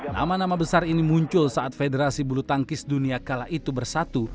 nama nama besar ini muncul saat federasi bulu tangkis dunia kala itu bersatu